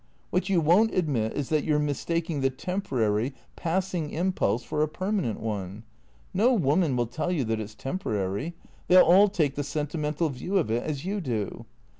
What you won't admit is that you 're mistaking the tem porary, passing impulse for a permanent one. No woman will tell you that it 's temporary. They '11 all take the sentimental view of it, as you do.